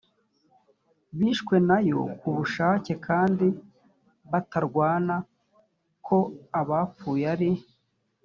bishwe na yo ku bushake kandi batarwana ko abapfuye ari